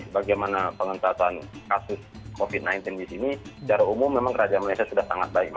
bagaimana pengentasan kasus covid sembilan belas di sini secara umum memang kerajaan malaysia sudah sangat baik